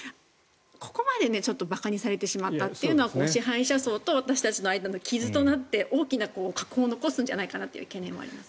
ここまで馬鹿にしたのは支配者層と私たちの間の傷になって大きな禍根を残すんじゃないかという懸念があります。